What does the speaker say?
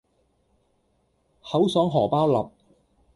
口爽荷包立